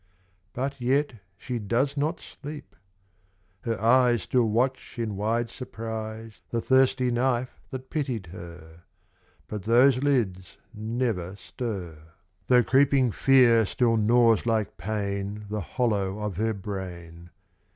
But yet she does not sleep. Her eyes Still watch in wide surprise The thirsty knife that pitied her ; But those lids never stir, 45 The Drunkard. Though creeping Fear still gnaws like pain The hollow of her brain.